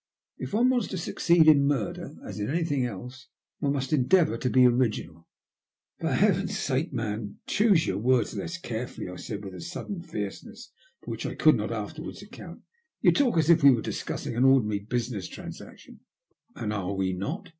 If one wants to succeed in murder, as in anything else, one must endeavour to be original." For heaven's sake, man, choose your words less carefully! " I cried, with a sudden fierceness for which I could not afterwards account. *'Tou talk as if we were discussing an ordinary business transac tion." " And are we not